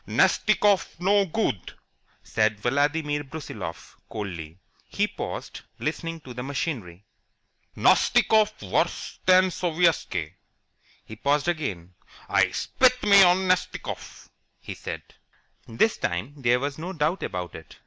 "Nastikoff no good," said Vladimir Brusiloff, coldly. He paused, listening to the machinery. "Nastikoff worse than Sovietski." He paused again. "I spit me of Nastikoff!" he said. This time there was no doubt about it.